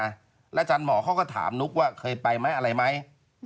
แล้วอาจารย์หมอเขาก็ถามนุ๊กว่าเคยไปไหมอะไรไหม